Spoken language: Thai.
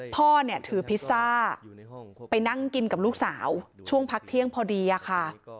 พ่อเนี่ยถือพิซซ่าไปนั่งกินกับลูกสาวช่วงพักเที่ยงพอดีอะค่ะ